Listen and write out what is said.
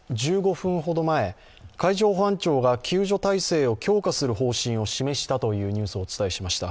１５分ほど前、海上保安庁が救助態勢を強化する方針を示したというニュースをお伝えしました。